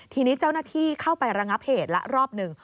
ทีนี้เจ้าหน้าที่เข้าไประงับเหตุละรอบหนึ่ง